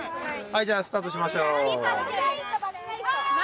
じゃあスタートしましょう。